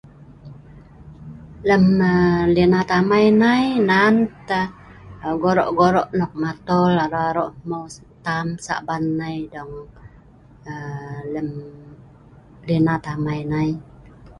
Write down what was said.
Lem um le'nat amai nai nan tah um goro' goro' nok matol aro' aro' hmeu tam Saban nnai dong um lem le'nat amai nai